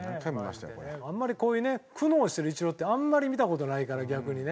あんまりこういうね苦悩してるイチローってあんまり見た事ないから逆にね。